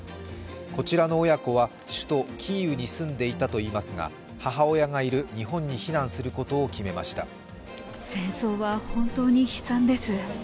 こちらの親子は首都キーウに住んでいたといいますが母親がいる日本に避難することを決めました。